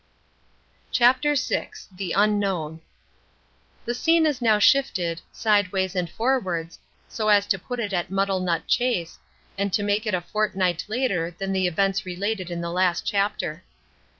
CHAPTER VI THE UNKNOWN The scene is now shifted, sideways and forwards, so as to put it at Muddlenut Chase, and to make it a fortnight later than the events related in the last chapter.